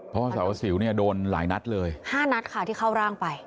เพราะว่าสาวสิวเนี่ยโดนหลายนัดเลย๕นัดค่ะที่เข้าร่างไป